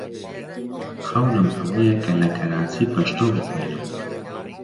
خەونم ئەوەیە کە لە کەراچی پەشتۆ بخوێنم.